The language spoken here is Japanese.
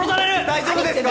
・大丈夫ですか？